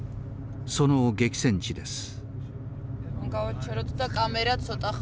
その激戦地です。